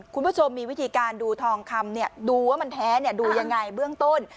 คุณผู้ชมมีวิธีการดูทองคำดูว่ามันแท้ดูยังไงเบื้องต้น